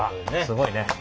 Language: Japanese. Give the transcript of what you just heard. すごいね。